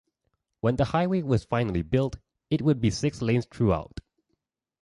When the highway was finally built, it would be six lanes throughout.